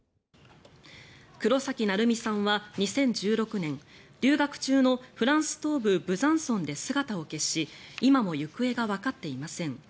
黒崎愛海さんは２０１６年留学中のフランス東部ブザンソンで姿を消し今も行方がわかっていません。